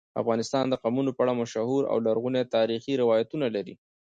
افغانستان د قومونه په اړه مشهور او لرغوني تاریخی روایتونه لري.